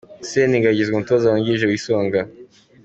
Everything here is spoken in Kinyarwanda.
Seninga yagizwe umutoza wungirije w’Isonga